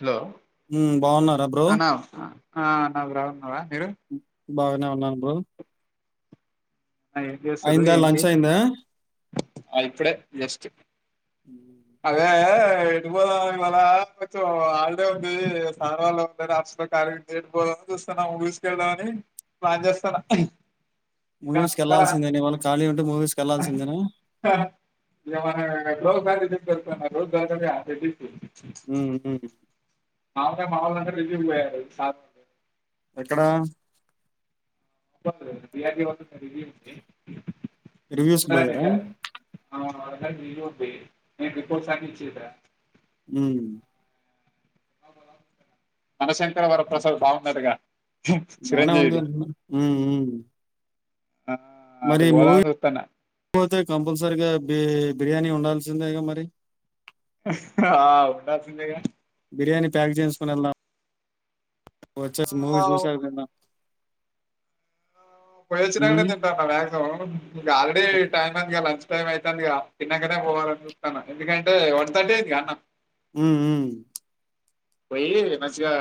Hello హ్మ్. బావున్నారా bro? అన్న ఆ అన్న బారావున్నారా మీరు బాగానే ఉన్నాను బ్రో ఏం చేస్తురు అయిందా ఏంటి లంచ్ అయిందా? ఆ ఇప్పుడే జస్ట్ అ ఐతే ఎటుపోదాం ఇవాళ కొంచెం హాలిడే ఉంది సార్ వాళ్ళు ఉండరు హాస్పిటల్ ఎటుపోదాంని చూస్తన్నా మూవీస్ కి వెళ్దామని ప్లాన్ చేస్తాన మూవీస్ వెళ్లాల్సిందే ఇవాళ ఖాళీ ఉంటే మూవీస్ కి వెళ్లాల్సిందేనా కులికి వెళ్తున్న రోజు దొరకదుగా రెడ్డీస్ కి ఉహు హు మామూలుగా మావోళ్ళంతా విజిట్ కు పోయినారు సార్ ఎక్కడ చుట్టుపక్కలే బి ఆర్ బి వాళ్ళు ఇచ్చిన రివ్యూస్ కి రివ్యూస్ కి పోయారా నాకు లీవ్ ఉంది నేను రిపోర్ట్స్ అన్ని సబ్మిట్ చేశా హు మన శంకర వరప్రసాద్ బాగుందట గా బానే ఉంది ఉ ఉ ఆ అటు మరి మూవీ పోదామని చూస్తున్న పోతే కంపల్సరీగా బి బిర్యానీ ఉండాల్సిందేగా మరి ఆ ఉండాల్సిందేగా బిర్యానీి ప్యాక్ చేసుకునే ఎళ్ల వచ్చస్ ఆ, మూవీ చూసాకా తిందాం పోయి వచ్చినాకే హ్మ్. తింటాను అన్న మాక్సిమం ఇకు ఆల్రెడీ టైం అందిగా లంచ్ టైం అయితదిగా తిన్నకనే పోవాలని చప్తన్నాను ఎందుకంటే వన్ థర్టీ అది అన్న ఉ ఉ పోయి మంచిగా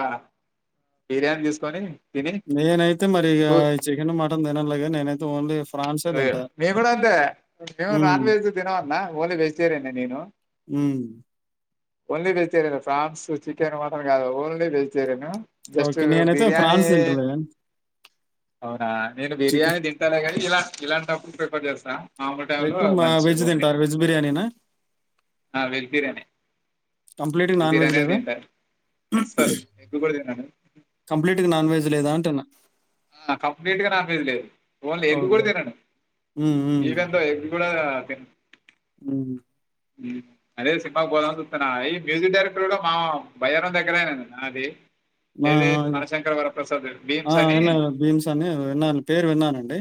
బిర్యానీ తీసుకొని తిని నేనైతే మరిగా చూ- చికెన్ మటన్ తినను లే నేనైతే ఓన్లీ ఫ్రాన్సే తింటా. నేను కూడా అంతే నవు హ్మ్. నాన్ వెజ్ దినో అన్న ఓన్లీ వెజిటేరియన్ నేను హ్మ్. Only vegetarian fans chicken mutton కాదు ఓన్లీ వెజిటేరియన్ జస్ట్ ఓకే. నేనైతే బిర్యానీ ఫ్రాన్స్ తింటలే. అవునా నేను చికెన్ బిర్యానీ తింటాలే కానీ ఇలా ఇలాంటి టప్పు ప్రిపేర్ చేస్తా మామ లు టైంలో ఎక్కువ మా మంచి వెజ్ పోంది తింటారు. వెజ్ బిర్యానీనా? ఆ వెజ్ బిర్యానీ కంప్లీట్‌గా నాన్ వెజ్ బిర్యానీ లేదా? తింటా అసలు ఎగ్ కూడా తినను కంప్లీట్గా నాన్ వెజ్ లేదా అంటన్నా ఆ కంప్లీట్ గా నాన్ వెజ్ లేదు ఓన్లీ ఎగ్ కూడా ఓకే. తినను హ్మ్. ఈవెందో ఎగ్ కూడా ఉ అనేది సినిమాకు బోధామని చూస్తున్నా ఈ మ్యూజిక్ డైరెక్టర్ కూడా మా బయ్యారంం దగ్గరన నాది ఆ! ఏది ఆ! మనశంకర్ వరప్రసాద్ భీమ్స్ అని ని విన్నాను పేరు విన్నానండి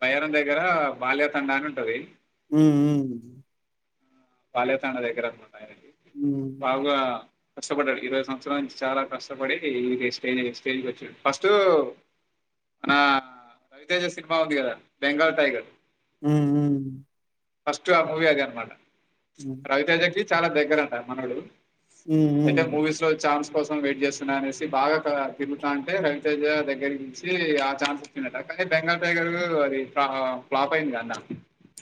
బయారంం దగ్గర బాల్య తం అని ఉంటది ఉ ఉ పాాల్యా తణ దగ్గర హ్మ్. లావుగ కష్టపడ్డాడు ఇరవై సంవత్సరాల నుంచి చాలా కష్టపడి స్టేజ స్టేజ్కి వచ్చాడు ఫస్ట్ మన రవితేాజ సినిమా ఉంది కదా బెంగాల్ టైగర్ ఉ ఉ ఫస్ట్ ఆ మూవీ అది అనమాట హ్మ్. రవితేజ కీ చాలా దగ్గరంటా మనోడు హ్మ్. అయితే హ్మ్. మూవీస్ లో ఛాన్స్ కోసం వెయిట్ చేస్తున్నా అనేసి బాగా తిరుగుతా అంటే రవితేజా దగ్గరి వచ్చి ఆ ఛాన్స్ వచ్చయితే బెంగాల్ టైగర్ అది ఫ్లాప్ అయింది కన్న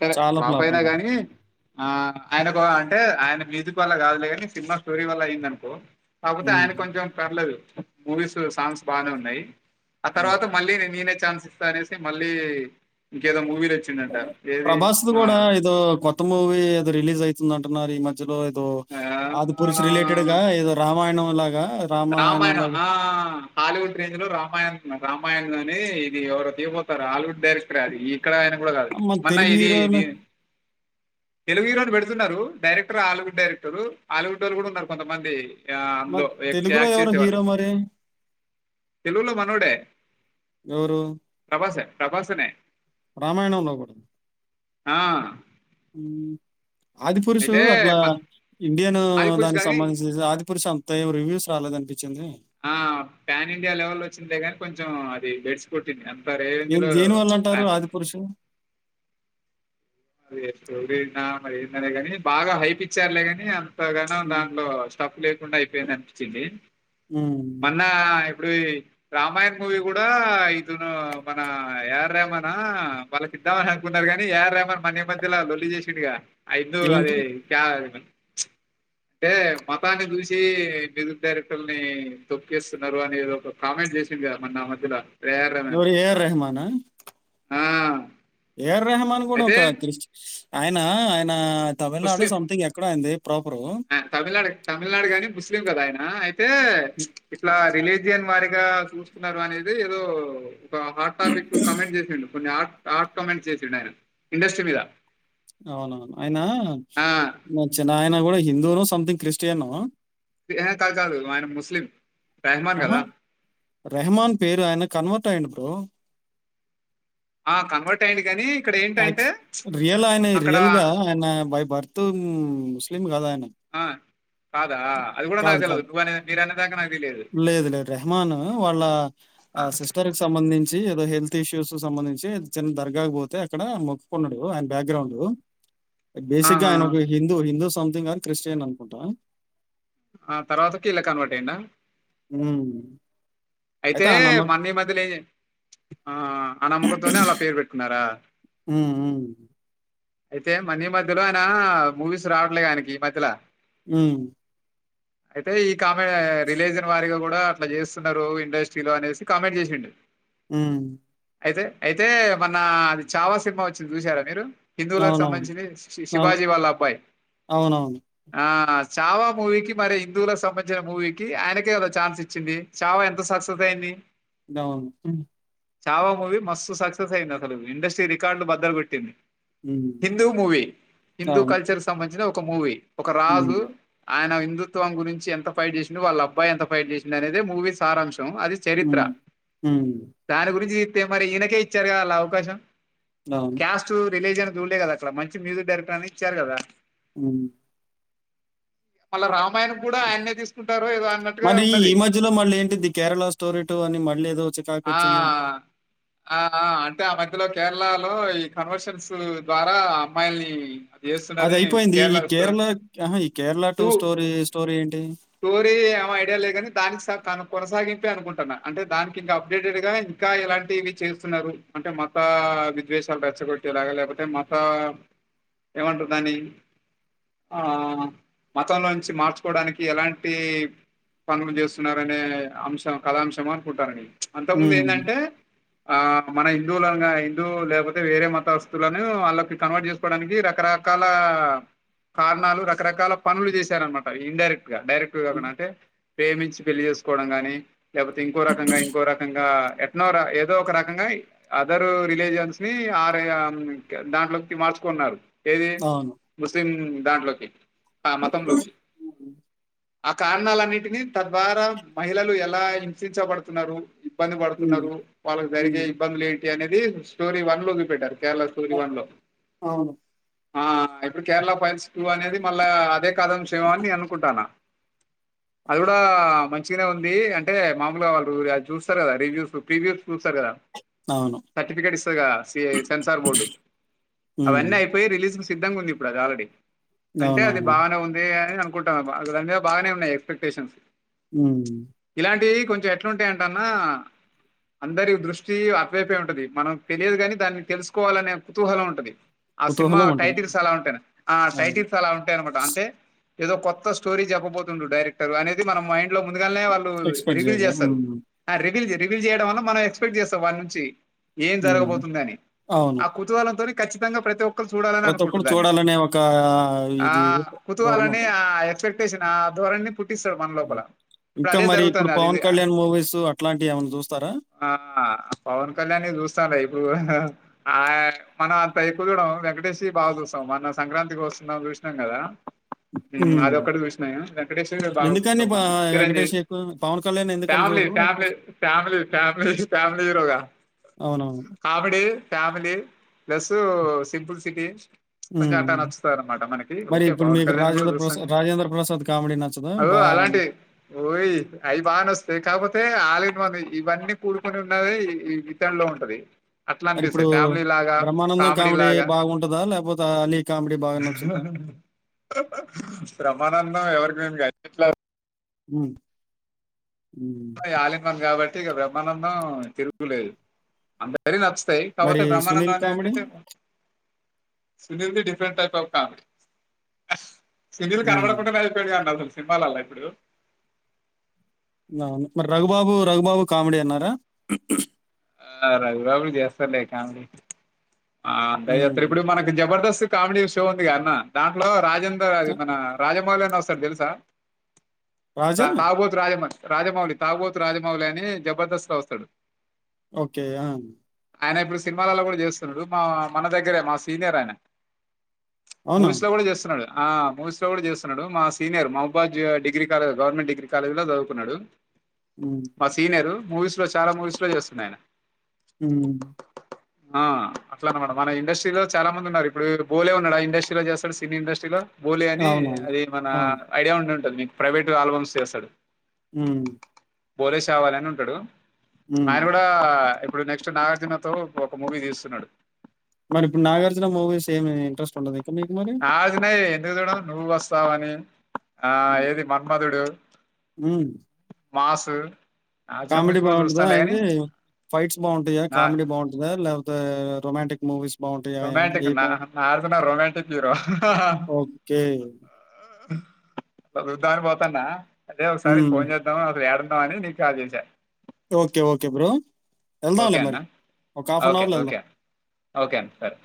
సరే చాలా ఫ్లాప్ అయిన అయింది. గాని ఆ ఆయనకు అంటే ఆయన మీదుకు వల్ల కాదులే కాని సినిమా స్టోరీ వల్ల అయ్యింది అనుకో కాకపోతే హ్మ్. ఆయన కొంచెం పర్లేదు మూవీస్ సాంగ్స్ బానే ఉన్నాయి ఆ హ్మ్. తర్వాత మళ్ళీ నేను నేనే ఛాన్స్ ఇస్తా అనే మళ్ళీ ఇంకేదో మూవీలో ఇచ్చిండంట. ఏది ప్రభాస్ కూడాడా ఆహ్, ఇ కొత్త మూవి అది రిలీజ్ యితే నంటనార మ లో ఏదో ఆది పురుష రిలేటెడ్ ఆహ్ గా ఏదో రామాయణం లాగా రామాయణం ఆ హాలీవుడ్ రేంజ్ లో రామాయణం రామాయణ ఇదివరు తీవపోతార హాలలివుడ్ డైరక్టర్ అది ఇక్కడ ఆయన కూడా కాదు మన మన్న తెలుగు ఇది హీరోల ఇది తెలుగు ఈరో పెడు చతున్నారు డైరెక్టర్ ఆలివుడ్ డైరెక్టర్ ఆవుడ్ వాళ్ళు కూడా ఉన్నారు కొంతమంది ఆన్లో తెలుగుల్లోఎవరు హీరో మరి తెలుగులో మనోడే ఎవరు ప్రభాస ప్రభాసనే రామాయణ లో ఆ, ఆది పురుషు అయితే అట్లా మ- ఇండియను ఆది పురుష్ దానికి కానీ సంబంధించి ఆది పరుషంత ఏం రివ్యూస్ రాలేదనిపించింది ఆ పాన్ ఇండియా లెవెల్ వచ్చిందే నీ కొంచెం అది గెడిచి పట్టింది ఏం దేని వాళ్ళు అంటారు ఆది పురుషు అద స్టోరీనా మరి ఏన్నద కాని బాగా హైప్ ఇచ్చారులే ని గా హ్మ్. దాంట్లో స్టప్ లే డా అయిపోయింది అనిపించింది హ్మ్. మొన్న ఇప్పుడు రామాయణ్ మూవీ కూడా ఇతను మన ఆర్ రేమనా వాళ్ళకి ఇద్దామని అనుకున్నారు కాని ఏఆర్ రమన్ మనే మధ్యలా లొల్లి చేసిండిగా ఐదు ఏంటి? అదే క అంటే మతాన్ని చూసి మ్యజిక్ డైరెక్టర్ని తొప్పుస్తున్నారు అనే ఒక కామెంట్ చేసింది కదా మ నా మధ్యలో ఏఆర్ రెహమాన్ ఇవరు ఏఆర్ రహమానా ఆ ఏ ఆర్ రెహమాన్ గూడా అయితే ఒకా క్రిష్ట్ ఆయనా ఆయనా ముస్లిం ఆ తమిళనాడు తమిళనాడు గానీ ముస్లిం గదా ఆయన. ఆ అయిప్ తే ప్చ్ ఇట్లా రిలీజ్ విజన్ వారిగా చూస్తున్నారు అనేదీ ఏదో ఒకా హాట్ టాపికు కమెంట్ చేసిండు. కొన్ని హాట్ హాట్ కమెంట్ చేశిండు ఆయనా, ఇండస్ట్రీ మీద. అవునవును ఆయనా ఆ! నచ్చన ఆయన గూడా హిందవునో సంథింగ్ క్రిస్టియనో ఎహే కాద్ కాదు ఆయన ముస్లిం. రెహమాన్ అహా గదా! రెహ్మాన్ పేరు ఆయన కన్వెర్ట్ అయిండు. పో ఆ కన్వర్ట్ అయిండు గానీ థాంక్స్. రియల్ ఆయన రియల్ గా ఆయనా బై బర్త్ ఉం ముస్లిం గాదు ఆయనా. ఆ! కాదా? అది గూడా నాకు కాదు తెలవదు. కాదు. నువ్వనే మీరనే దాకా నాకు తెలియదు. లేదు లేదు రెహమానా వాళ్ళా ఆ! సిస్టర్ కి సంబంధించి హెల్త్ ఇష్యూస్ సు సంబంధించీ చిన్న దర్గాక్పోతే. ఇక్కడా మొక్కున్నడూ ఆయన బ్యాక్గ్రౌండూ. బేసిక్గా ఆహా! ఆయన ఒక హిందూ. హిందూ సం స్లిం గాని క్రిస్టియన్ అనుకుంటా. ఆ తర్వాతకి ఇల్ల కన్వర్ట్ అయిండా. హ్మ అయితే మొన్నీ ఈ మధ్యలో ఏం జ ఆ ఆనమ్కంతోనే అలా పేరు పెట్కున్నార్ రా ఊఊ అయితే మొన్నీ ఈ మధ్యలో అయినా, మూవీస్ రావట్లే గా ఆయనికి ఈ మధ్యలా. హ్మ్ అయితే ఈ కామెంట్ ఆ రిలీజియన్ వారిగా గూడా అట్ల చేస్తున్నరూ ఇన్ వేస్ట్ ఫిల్లో అనేసి కామెంట్ చేశిండు. ఉమ్ అయితే అయితే మొన్నా అది ఛావా సినిమా వచ్చింది చూశారా మీరు. హిందువులక్ అవునవును. సంబంధించింది, అవు శివాజీ వాళ్ళ అబ్బాయి అవునవును. ఆ ఛావా మూవీకి మరీ హిందువుల సంబంధించిన మూవీకీ, ఆయనకే ఒక ఛాన్స్ ఇచ్చిందీ. ఛావా ఎంత సక్స్ సక్సెస్ అయ్యిందీ. డౌను ఛావా మూవీ మస్తు సక్సెస్ అయింది అసలు. ఇండస్ట్రీ రికార్డులు బద్దలు కొట్టింది. హ్మ్. హిందూ మూవీ. హిందూ అవును. కల్చర్ సంబంధించిన ఒక్ ఒక మూవీ ఒక రాజు హ్మ్. ఆయన ప్రభుత్వం గురించి ఎంత ఫైట్ చేసింది వాళ్ళ అబ్బాయి ఎ ఫైట్ చేసింది అనేది మూవీ సారాంశం అది చరిత్ర హ్మ్. హ్మ్. దానీ గురించి మరి ఈనక ఇచ్చారు క అలా అవకాశం అవును. క్యాస్ట్ రిలీజన్ ండ కదా అట్లా మంచి మ్యూజిక్ డైరెక్టర్ అని ఇచ్చారు కదా హ్మ్ మళ్ళ రామ్ అమ్మాయన కూడా ఆయన్నే తీసుకుంటారు ఏదో అన్నట్టుగా మరి ఈ ఈ ఉన్నది మధ్యలో మళ్ళీ ఏంటి ది కేరళ స్టోరీ టూ అని మళ్ళీ ఏదో చికాకు ఆ వచ్చింది ఏంటి ఆ అంటే ఆ మధ్యలో కా జిల్లాలో ఈ కన్వర్షన్స్ ద్వారా ఆ అమ్మాయిల్ని అది చేస్తున్నారని అయిపోయింది ఈ కేరళ ఆహా, ఈ కేరళ టూ స్టోరీ స్టోరీ ఏంటి స్టోరీ ఏమ ఐడియా లే కాని దానికి తను కొనసాగిచ అనుకుంటున్నా అంటే దానికి ఇంకా అప్డేటెడ్ గా ఇంకా ఎలాంటి ఇవి చేస్తున్నారు అంటే మత విద్వేషాలు రెచ్చగొట్టేలాగా లేతే మత ఏమంటానాన్ని ఆ మతంలోంచి మార్చుకోవడానికి ఎలాంటి పనులు చేస్తున్నారునే అంశం కళాంశం అనుకుంటారని అంత ముందు ఉమ్, ఏంటంటే ఆ మన హిందువుల హిందూ లేకపోతే వేరే మత అంతస్తులను వాళ్ళకి కన్వర్ట్ చేసుకోవడానికి రకరకాల కారణాలు రకరకాల పనులు చేశారనమాట ఇండైరెక్ట్ డైరెక్ట్ కాకుడా అంటే ప్రేమించి పెళ్లి చేసుకోవడం గాని లేపోతే ఇంకో రకంగా ఇంకో రకంగా ఎట్నో ర ఏదో ఒక రకంగా అదరు రిలీజన్స్ ని ఆ రీ ఆ దాంట్లోకి మార్చుకున్నారు ఏది అవును ముస్లిం దాంట్లోకి ఆ మతం లోకి ఆ కారణాలన్నిటిని తద్వారా మహిళలు ఎలా ఇలా హింసించబడుతున్నారు ఇబ్బంది ఉమ్, పడుతున్నరు వాళ్ళకి జరిగే ఉమ్, ఇబ్బందులు ఏం అనేది స్టోరీ వన్ లో చూపెట్టారు కేరళ స్టోరీ అ- వన్ లో అవును ఆ ఇప్పుడు కేరళ ఫైల్స్ టూ అనేది మళ్ళా అదే కాదామ్శేమో అని నేను అనుకుంటాన అది కూడా మంచిగనే ఉంది అ అంటే మాములుగా వాళ్ళు అది చూస్తరు కదా రివ్యూస్ ప్రివ్యూస్ చూస్తరు కదా అవును సర్టిఫికెట్ ఇస్తది కదా సి సెన్సార్ బోర్డు ఉమ్, అవన్నీ అయిపోయి రిలీజ్ సిద్ధంగుంది ఇప్పుడు అది ఆల్రెడీ అంటే అది అవునవును బాగానే ఉంది అని అనుకుంటన్నా దాని మీద బానే ఉన్నాయి ఎక్స్పెక్టేషన్ మ్మ్ ఇలాంటివి కొంచెం ఎట్లుంటయంటే అన్నా అందరి దృష్టి అటువైపే ఉంటది మనకు తెలియదు కాని దాన్ని తెలుసుకోవాలనే కుతూహలం ఉంటది ఆ సినిమా కుతూహలం ఉంటుంది టైటిల్స్ అలా ఉంటాయి ఆ అవును టైటిల్స్ అలా ఉంటాయనమాట అంటే ఏదో కొత్త స్టోరీ చెప్పబోతుండు డైరెక్టర్ అనేది మన మైండ్లో ముందుగాల్నే పుడు ఎక్స్పెక్ట్ రివీల్ చేయాలి చేస్తరు ఉమ్, ఆ రివిల్ చే రివీల్ చేయడం వల్ల మనం ఎక్స్పెక్ట్ చేస్తం వానినుంచి ఏం ఉమ్, జరగబోతుంది అని అవును ఆ కుతూహలంతోని ఖచ్చితంగా ప్రతి ఒక్ ప్రతి ఒక్కరు చూడాలనే ఒక ఇది ధోరణి ఉంటది చేసిన ఆ ధోరణి ని పుట్ ట్టిస్తరు మన లోపల ఇంకా అదే మరి ఇప్పుడు జరుగుతంది అది పవన్ కళ్యాణ్ మూవీస్ అట్లాంటివి ఏమైనా చూస్తారా ఆ పవన్ కళ్యాణ్ ని చూస్తాన ఇప్పుడు కూడా ఆ మన అంత ఎక్కువ చూడం వెంకటేష్ వి బాగా చూస్తాం మొన్న సంక్రాంతికి వస్తున్నాం చూసినం కదా మ్మ్ ఉమ్. అదొక్కటి చూసిన నేను వెంకటేశ్ వి బాగా ఎందుకని చూస్తం ప- మనం చిరంజీవి వెంకటేష్ ఎక్కువ పవన్ కళ్యాణ్ ఎందుకని ఫ్యామిలి చూడరు ఎక్కువ ఫ్యామిలి ఫ్యామిలి ఫ్యామిలి ఫ్యామిలి హీరోగా అవునవును comedy family plus simple city కొంచెం అట్లా మ్మ్ నచ్చుతారు అనమాట మనకి మరి ఓకే ఇప్పుడు పవన్ మీకు కళ్యాణ్ కూడా రాజేంద్ర చూస్తాం ప్రసాద్ రాజేంద్ర ప్రసాద్ కామెడీ నచ్చదా బా ది అవి బానచ్చుతాయి కాకపోతే ఆల్ ఇన్ వన్ ఇవన్నీ కూడుకొని ఉన్నది ఈ ఇతనులో ఉంటది అట్లా మరి ఇప్పుడు అనిపిస్తయి ఫ్యామిలీ లాగా బ్రహ్మానందం కామెడీ లాగా బాగుంటుందా లేకపోతే అలీ కామెడీ బాగా నచ్చుద్దా బ్రహ్మానందం ఎవరికి [unintelligible] ఎట్లా మ్మ్ టయి ఆల్ ఇన్ వన్ కాబ ట్టె కదా బ్రమ్మానందం తిరుగులేదు అందరికి నచ్ తయి మరి కాపోతే బ్రహ్మానంద సునీల్ కామెడీ అనేదటి Sunil the different type of comedy Telugu channel లో ఉమ్, కూడ [unintelligible] అతను సినిమాలల ఇప్పుడు అవును మరి రఘుబాబు రఘుబాబు కామెడి అన్నారా ఆ రఘుబాబు కూడ చేస్తడులే కామెడి ఆ అంత ఉమ్. చేత్తరు మనకు జబర్దస్త్ కామెడీ షో ఉంది కా అన్న దాంట్లో రాజ్ చంద అది మన రాజ మళ్ళయిన వస్తాడు తెలుసా రాజా క తాగుబోతు రాజమ రాజమౌళి తాగోతు రాజమౌళి అని జబర్దస్త్ గా వస్తాడు ఓకే ఆ ఆయన ఇప్పుడు సినిమాలలో కూడా చేస్తున్నాడు మా మన దగ్గరే మా సీనియర్ ఆయన అవునా మూవీస్ లో కూడా చేస్తున్నాడు ఆ మోసిరావు కూడా చేస్తున్నాడు మా సీనియర్ మహబాజ్ degree college government degree college లో చదువుకున్నాడు ఉమ్, మా సీనియరు మూవీస్ లో చాలా మూవీస్ లో చేస్తుంది ఆయన హ ఆ అట్లా అనమాట మన ఇండస్ట్రీ లో చాలా మంది ఉన్నారు ఇప్పుడు బోలే ఉన్నాడు ఆ ఇండస్ట్రీలో చేస్తాడు సినీ ఇండస్ట్రీలో బూలి అని అవునా అది మన అవును ఐడియా ఉండింటది మీకు ప్రైవేటు ఆల్బమ్స్ చేస్తాడు హ బోలేస్ కావాలిని ఉంటాడు ఉమ్. ఆయన కూడా ఇప్పుడు నెక్స్ట్ నాగార్జునతో ఒక మూవీ తీస్తున్నాడు మరి ఇప్పుడు నాగార్జన మూవీస్ ఏమి ఇంట్రెస్ట్ ఉండది ఆజ న ఎ నుూ వస్తావని ఆ హ్మ్. ఏది మన్మదుడు హ్మ్. మాసు నాగార్జున కామెడీ మూవీస్ కూడా బాగుంటదా చూస్తానులే గాని అయింది ఫైట్స్ బాగుంటాంద నా కామెడీ బాగుంటందా లేకపోతే రొమాంటిక్ మువీస్ రొమాంటిక్ నా [unintelligible] రొమాంటక్ హీరో ఓకే. వృద్దా అని పోతాన్నా అదే ఒకసారి హ్మ్. ఫోన్ చేద్దాం [inaudible] ఏడ అని నీక్ కాల్ జేష ఓకే ఓకే బ్రో ఓకే ఎళ్దాంలే అన్న మరి. ఒక హాఫ్ అన్ ఓకే అవర్‌లో ఎళ్దాం. ఓకే ఓకే అన్న సరే